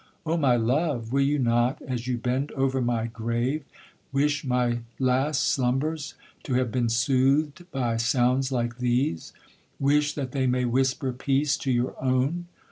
Oh, my love, will you not, as you bend over my grave, wish my last slumbers to have been soothed by sounds like these,—wish that they may whisper peace to your own?